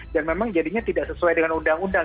dan memang jadinya tidak sesuai dengan undang undang